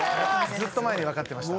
ずっと前に分かってました。